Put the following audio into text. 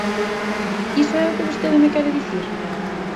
¿Iso é o que vostede me quere dicir?